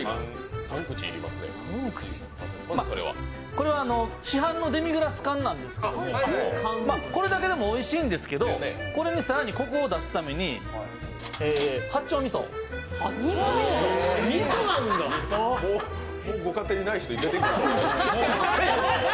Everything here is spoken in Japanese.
これは市販のデミグラス缶なんですけどこれだけでもおいしいんですけど、これに更にコクを出すためにご家庭にない人出てきた。